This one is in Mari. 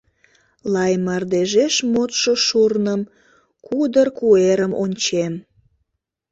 Лай мардежеш модшо шурным, Кудыр куэрым ончем…